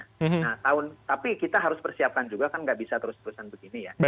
nah tahun tapi kita harus persiapkan juga kan nggak bisa terus terusan begini ya